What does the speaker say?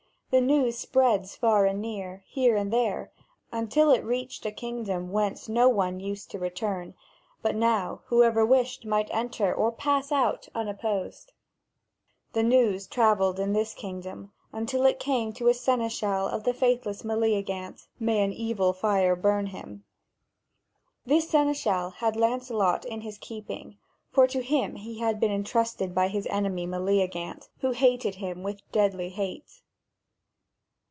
The news spread far and near, here and there, until it reached the kingdom whence no one used to return but now whoever wished might enter or pass out unopposed. The news travelled in this kingdom until it came to a seneschal of the faithless Meleagant may an evil fire burn him! This seneschal had Lancelot in his keeping, for to him he had been entrusted by his enemy Meleagant, who hated him with deadly hate.